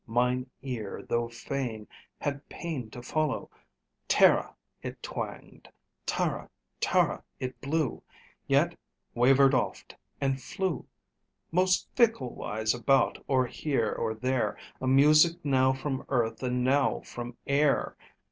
Mine ear, though fain, had pain to follow: `Tara!' it twanged, `tara tara!' it blew, Yet wavered oft, and flew Most ficklewise about, or here, or there, A music now from earth and now from air.